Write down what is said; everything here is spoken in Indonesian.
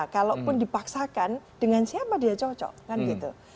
kalaupun dipaksakan dengan siapa dia cocok kan gitu